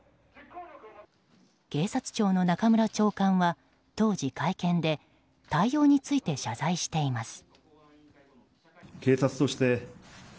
警察庁の中村長官は当時会見で対応について謝罪しています。